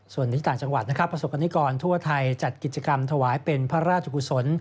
ส่วนนี้ต่างจังหวัดนะครับประสบกรณิกรทั่วไทยจัดกิจกรรมถวายเป็นพระราชกุศล